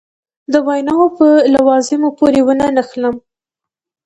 د ویناوو په لوازمو پورې ونه نښلم.